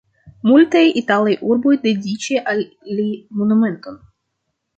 Multaj italaj urboj dediĉi al li monumenton.